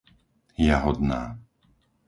Jahodná